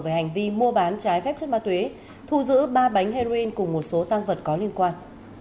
về hành vi mua bán trái phép chất ma túy thu giữ ba bánh heroin cùng một số tăng vật có liên quan